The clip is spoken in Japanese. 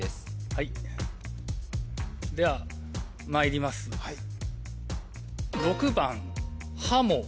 はいではまいりますはい